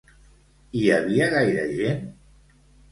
Hi havia gaire gent?